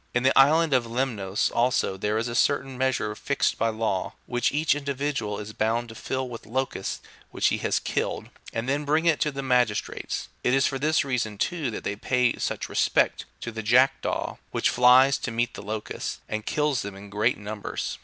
In the island of Lemnos also, there is a certain measure fixed by law, which each individual is bound to fill with locusts which he has killed, and then bring it to the magistrates. It is for this reason, too, that they pay such respect to the jack daw, which flies to meet the locusts, and kills them in great numbers.